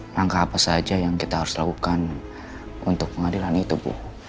langkah apa saja yang kita harus lakukan untuk pengadilan itu bu